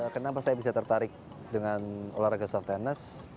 hampir sama sama kayak tenis